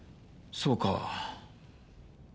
そうか。